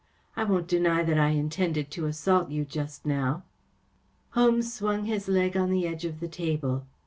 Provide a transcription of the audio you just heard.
I won't deny that I intended to assault you just now." Holmes swung his leg on the edge of the table.